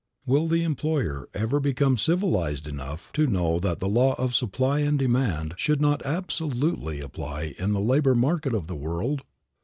Will the employer ever become civilized enough to know that the law of supply and demand should not absolutely apply in the labor market of the world?